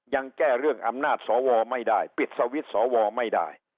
ยังแก้เรื่องอำนาจสวไม่ได้ปิดสวิตช์สวไม่ได้